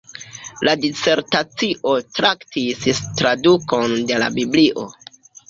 La disertacio traktis tradukon de la biblio.